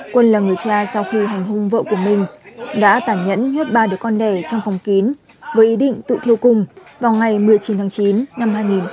quân là người cha sau khi hành hung vợ của mình đã tản nhẫn nhuết ba đứa con đẻ trong phòng kín với ý định tự thiêu cùng vào ngày một mươi chín tháng chín năm hai nghìn một mươi chín